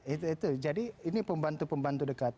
itu itu jadi ini pembantu pembantu dekat